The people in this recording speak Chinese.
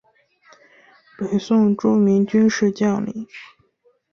北宋著名军事将领。